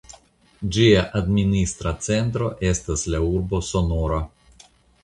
Ĝia administra centro estas la urbo Sonora.